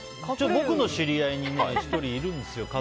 僕の知り合いに１人いるんですよ